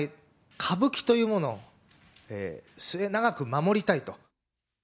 歌舞伎というものを末永く守りたいと。